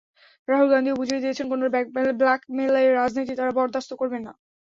রাহুল গান্ধীও বুঝিয়ে দিয়েছেন, কোনো ব্ল্যাকমেলের রাজনীতি তাঁরা বরদাস্ত করবেন না।